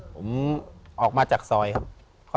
ผมออกมาจากซอยครับ